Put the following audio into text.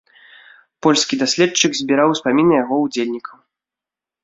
Польскі даследчык збіраў успаміны яго ўдзельнікаў.